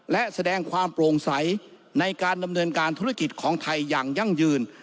และแสดงความโปร่งใสในการดำเนินการธุรกิจของไทยอย่างยั่งยืน